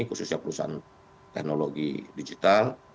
khususnya perusahaan teknologi digital